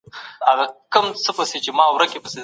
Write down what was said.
دا وینه د بدن د فعالیت معلومولو لپاره ازمویل کېږي.